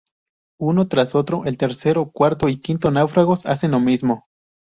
Uno tras otro, el tercero, cuarto y quinto náufragos hacen lo mismo.